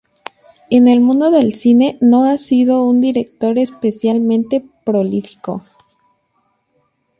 En el mundo del cine, no ha sido un director especialmente prolífico.